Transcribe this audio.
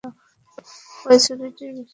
ওই ছুড়িটা বেশি ধারালো নয়তো?